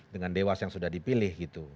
dengan dewas yang sudah dipilih gitu